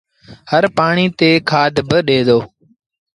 هر پآڻيٚ تي کآڌ با ڏي دو